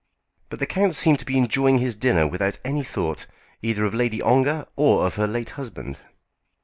But the count seemed to be enjoying his dinner without any thought either of Lady Ongar or of her late husband.